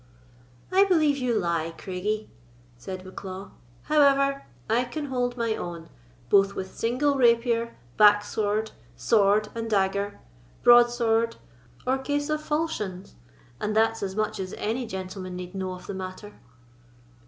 "I believe you lie, Craigie," said Bucklaw; "however, I can hold my own, both with single rapier, backsword, sword and dagger, broadsword, or case of falchions—and that's as much as any gentleman need know of the matter."